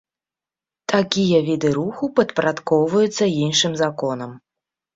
Такія віды руху падпарадкоўваюцца іншым законам.